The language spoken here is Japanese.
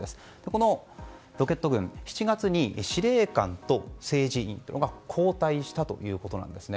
このロケット軍、７月に司令官と政治委員を交代したということなんですね。